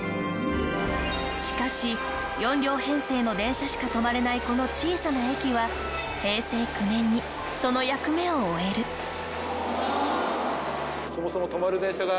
しかし４両編成の電車しか止まれないこの小さな駅は平成９年にその役目を終える。そもそも。